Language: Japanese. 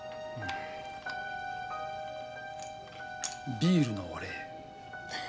ビールのお礼。